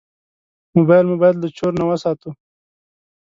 موبایل مو باید له چور نه وساتو.